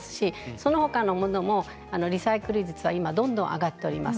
そのほかのものもリサイクル率はどんどん上がっております。